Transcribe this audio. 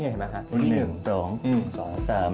เห็นไหมครับ